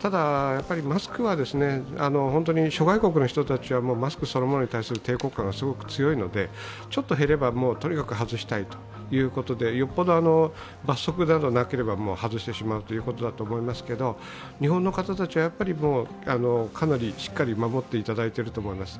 ただ、マスクは諸外国の人たちはマスクそのものに対する抵抗感がすごく強いので、ちょっと減ればとにかく外したいということで、よほど罰則などがなければ外してしまうということだと思いますけれども、日本の方たちはかなりしっかり守っていただいていると思います。